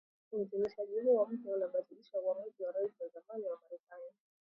Uidhinishaji huo mpya unabatilisha uamuzi wa Rais wa zamani wa Marekani